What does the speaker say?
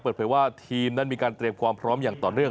เปิดเผยว่าทีมนั้นมีการเตรียมความพร้อมอย่างต่อเนื่อง